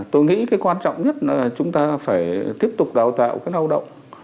tôi nghĩ cái quan trọng nhất là chúng ta phải tiếp tục đào tạo các lao động